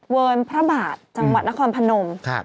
เวิร์นพระบาทจังหวัดนครพนม